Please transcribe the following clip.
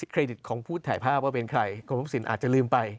เครดิตของผู้ถ่ายภาพว่าเป็นใครกรมทรัพย์สินอาจจะลืมไป